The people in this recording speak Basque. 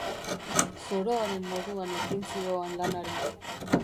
Zoroaren moduan ekin zioan lanari.